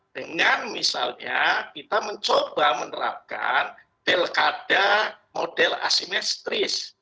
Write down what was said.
dengan misalnya kita mencoba menerapkan delkada model asimistris